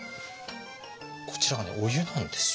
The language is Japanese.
こちらがねお湯なんですよ。